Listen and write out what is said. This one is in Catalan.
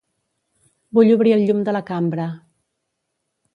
Vull obrir el llum de la cambra.